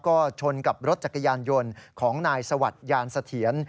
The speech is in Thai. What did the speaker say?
ก็ชนกับรถจักรยานยนต์ของนายสวัสดิ์ยานเสถียร